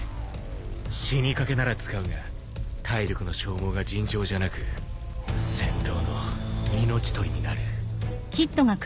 死にかけなら使うが体力の消耗が尋常じゃなく戦闘の命取りになる。